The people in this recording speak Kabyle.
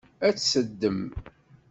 Ad tt-teddem?